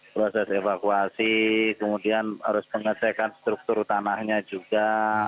proses evakuasi kemudian harus pengecekan struktur tanahnya juga